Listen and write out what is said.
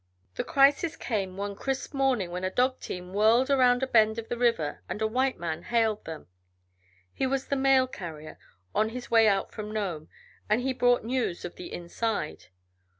The crisis came one crisp morning when a dog team whirled around a bend in the river and a white man hailed them. He was the mail carrier, on his way out from Nome, and he brought news of the "inside."